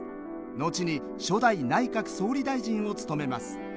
後に初代内閣総理大臣を務めます。